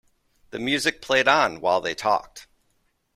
The music played on while they talked.